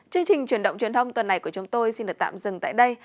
chương trình truyền động truyền thông tuần này của chúng tôi xin được tạm dừng tại đây